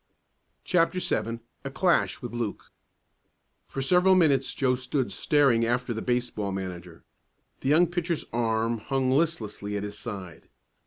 CHAPTER VII A CLASH WITH LUKE For several minutes Joe stood staring after the baseball manager. The young pitcher's arm hung listlessly at his side.